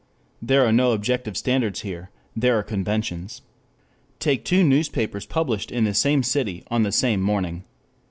There are no objective standards here. There are conventions. Take two newspapers published in the same city on the same morning.